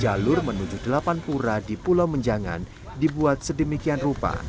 jalur menuju delapan pura di pulau menjangan dibuat sedemikian rupa